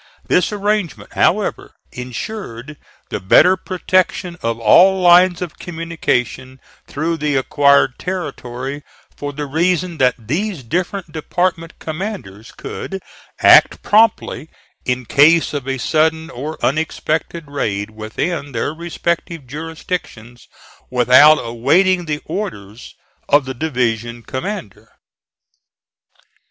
This arrangement, however, insured the better protection of all lines of communication through the acquired territory, for the reason that these different department commanders could act promptly in case of a sudden or unexpected raid within their respective jurisdictions without awaiting the orders of the division commander.